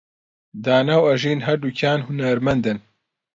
دانا و ئەژین هەردووکیان هونەرمەندن.